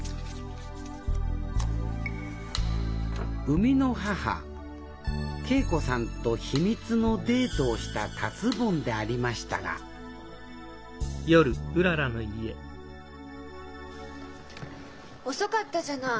生みの母桂子さんと秘密のデートをした達ぼんでありましたが遅かったじゃない。